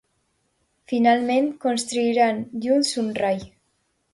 Finalment, construiran junts un rai.